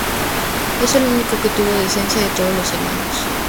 Es el único que tuvo descendencia de todos los hermanos.